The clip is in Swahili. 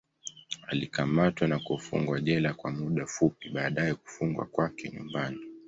Alikamatwa na kufungwa jela kwa muda fupi, baadaye kufungwa kwake nyumbani.